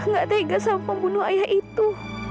nggak tega sama pembunuh ayah itu